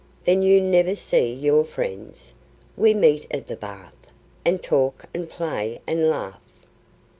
Then you never see your friends? We meet at the bath, and talk and play and laugh."